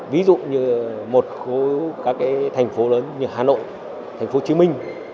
ví dụ như một khu các cái thành phố lớn như hà nội thành phố hồ chí minh